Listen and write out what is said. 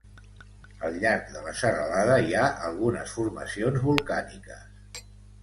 A llarg de la serralada hi ha algunes formacions volcàniques.